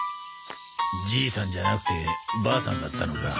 じいさんじゃなくてばあさんだったのか。